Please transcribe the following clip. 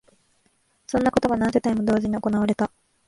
そんなことが何千世帯も同時に行われた